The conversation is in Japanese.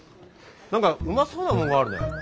何かうまそうなもんがあるね。